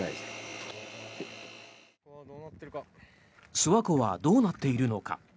諏訪湖はどうなっているのか。